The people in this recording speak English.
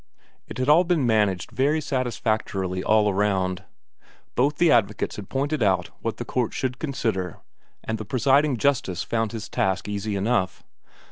It had all been managed very satisfactorily all round; both the advocates had pointed out what the court should consider, and the presiding justice found his task easy enough.